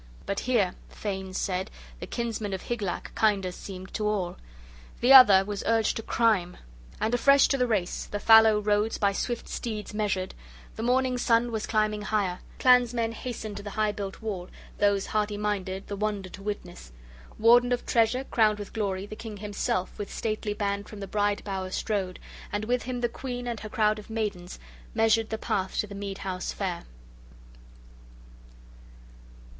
But here, thanes said, the kinsman of Hygelac kinder seemed to all: the other {13b} was urged to crime! And afresh to the race, {13c} the fallow roads by swift steeds measured! The morning sun was climbing higher. Clansmen hastened to the high built hall, those hardy minded, the wonder to witness. Warden of treasure, crowned with glory, the king himself, with stately band from the bride bower strode; and with him the queen and her crowd of maidens measured the path to the mead house fair.